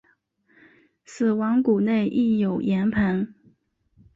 死亡谷内亦有盐磐。